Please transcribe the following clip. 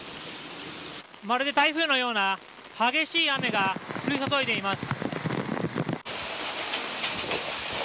まるで台風のような激しい雨が降り注いでいます。